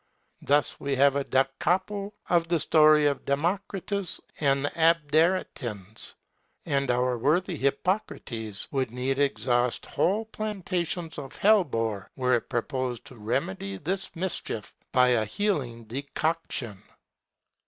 Thus we have a Da capo of the old story of Democritus and the Abderitans, and our worthy Hippocrates would needs exhaust whole plantations of hellebore, were it proposed to remedy this mischief by a healing decoction.